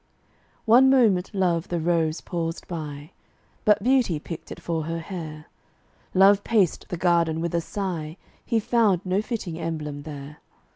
One moment Love the rose paused by; But Beauty picked it for her hair. Love paced the garden with a sigh He found no fitting emblem there.